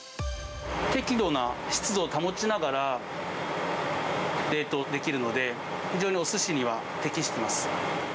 適度な湿度を保ちながら、冷凍できるので、非常におすしには適してます。